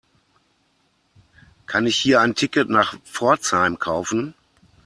Kann ich hier ein Ticket nach Pforzheim kaufen?